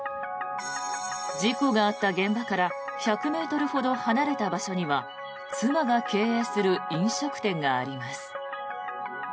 事故があった現場から１００ｍほど離れた場所には妻が経営する飲食店があります。